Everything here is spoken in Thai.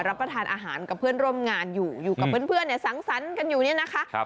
รับประทานอาหารกับเพื่อนร่วมงานอยู่อยู่กับเพื่อนเนี่ยสังสรรค์กันอยู่เนี่ยนะคะ